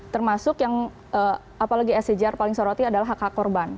termasuk yang apalagi scjr paling soroti adalah hak hak korban